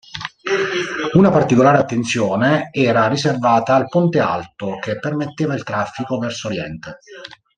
Una particolare attenzione era riservata al "ponte alto" che permetteva il traffico verso oriente.